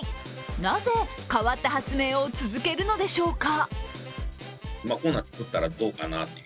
なぜ変わった発明を続けるのでしょうか？